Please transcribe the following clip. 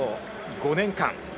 ５年間。